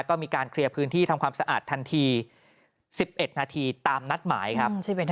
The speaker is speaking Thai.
ก็มีการเคลียร์พื้นที่ทำความสะอาดทันที๑๑นาทีตามนัดหมายครับ